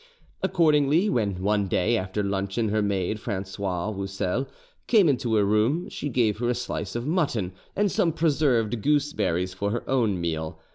Accordingly, when one day after luncheon her maid, Francoise Roussel, came into her room, she gave her a slice of mutton and some preserved gooseberries for her own meal.